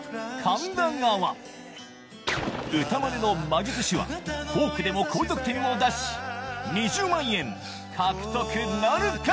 神田川』歌マネの魔術師は「フォーク」でも高得点を出し２０万円獲得なるか？